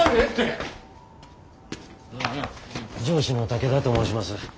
上司の武田と申します。